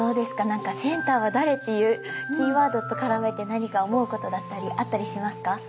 何か「センターは誰？」っていうキーワードとからめて何か思うことだったりあったりしますか？